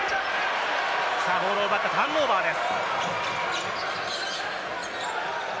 ボールを奪った、ターンオーバーです。